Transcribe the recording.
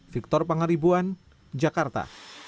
victor pangaribuan jakarta